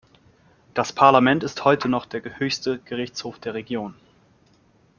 Das Parlament ist heute noch der höchste Gerichtshof der Region.